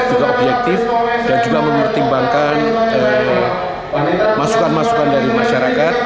juga objektif dan juga mempertimbangkan masukan masukan dari masyarakat